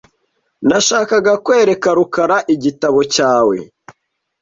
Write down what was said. Nashakaga kwereka rukara igitabo cyawe .